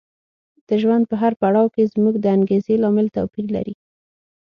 د ژوند په هر پړاو کې زموږ د انګېزې لامل توپیر لري.